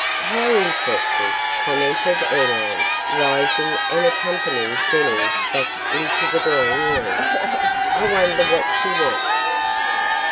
"How interesting," commented Elaine, rising and accompanying Jennings back into the drawing room. "I wonder what she wants.